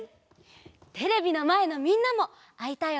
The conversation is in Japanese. テレビのまえのみんなもあいたい